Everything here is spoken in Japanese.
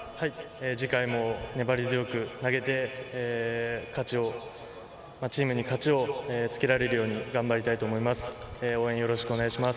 次回も粘り強く投げてチームに勝ちをつけられるように頑張りたいと思います。